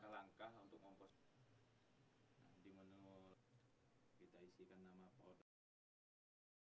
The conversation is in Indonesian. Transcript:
maka kita bisa membuat account untuk langkah langkah untuk membuat